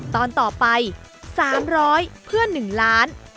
ตอนต่อไป๓๐๐เพื่อน๑ล้าน